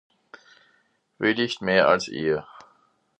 Villicht meh àls ìhr.